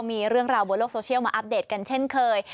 มีเรื่องราวบนโลกโซเชียลมาอัปเดตกันเช่นเคย